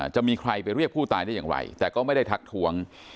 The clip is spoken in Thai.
จะมีใครไปเรียกผู้ตายได้อย่างไรแต่ก็ไม่ได้ทักทวง